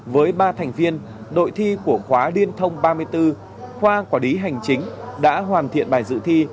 với ba thành viên đội thi của khóa điên thông ba mươi bốn khoa quả đí hành chính đã hoàn thiện bài dự thi